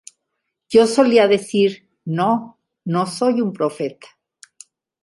Yo solía decir: "No, no soy un profeta".